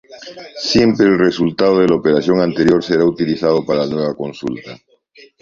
Siempre el resultado de la operación anterior será utilizado para la nueva consulta.